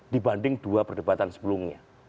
dibanding dua perdebatan sebelumnya